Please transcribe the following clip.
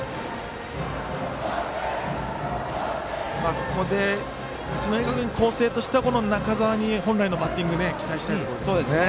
ここで八戸学院光星としてはこの中澤に本来のバッティング期待したいところですね。